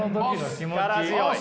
力強い。